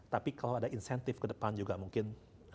tapi kalau ada insentif kedepan juga mungkin